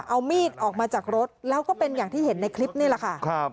เอามีดออกมาจากรถแล้วก็เป็นอย่างที่เห็นในคลิปนี่แหละค่ะ